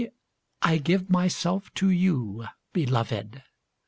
I give myself to you, Beloved!